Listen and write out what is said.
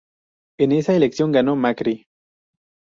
En esa elección ganó Macri.